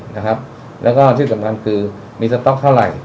นะครับแล้วก็ที่สำคัญคือมีสต๊อกเท่าไหร่